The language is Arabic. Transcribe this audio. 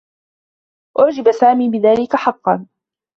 أُعجب سامي بذلك حقّا.